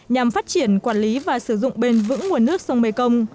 nhằm phát triển quản lý và sử dụng bền vững nguồn nước sông mekong